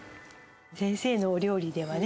先生のお料理ではね